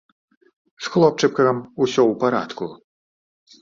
З хлопчыкам усё ў парадку.